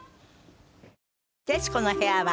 『徹子の部屋』は